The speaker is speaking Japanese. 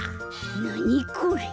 なにこれ！？